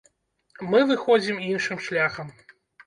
Мы выходзім іншым шляхам.